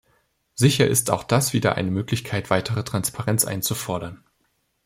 Sicher ist auch das wieder eine Möglichkeit, weitere Transparenz einzufordern.